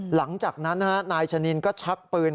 หลังจากนั้นนายชะนินก็ชักปืน